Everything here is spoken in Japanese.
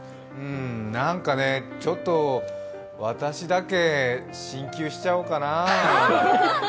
なんかね、ちょっと私だけ進級しちゃおうかな。